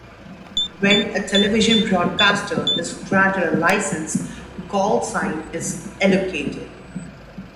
When a television broadcaster is granted a licence, a callsign is allocated.